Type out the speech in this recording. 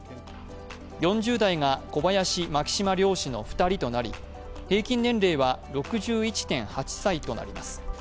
４０代が小林・牧島両氏の２人となり平均年齢は６１．８歳となります。